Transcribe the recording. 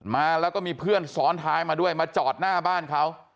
มาแล้วก็มีเพื่อนซ้อนท้ายมาด้วยมาจอดหน้าบ้านเขา